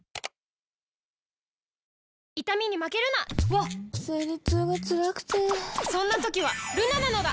わっ生理痛がつらくてそんな時はルナなのだ！